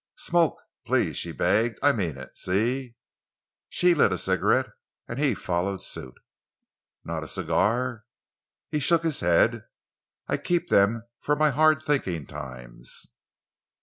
"Smoke, please." she begged. "I mean it see." She lit a cigarette and he followed suit. "Not a cigar?" He shook his head. "I keep them for my hard thinking times."